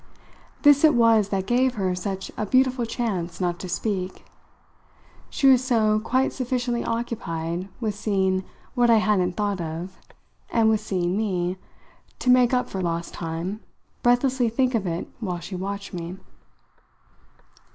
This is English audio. This it was that gave her such a beautiful chance not to speak: she was so quite sufficiently occupied with seeing what I hadn't thought of, and with seeing me, to make up for lost time, breathlessly think of it while she watched me.